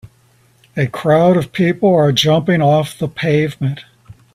A crowd of people are jumping off the pavement.